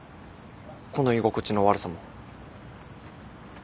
この居心地の悪さも。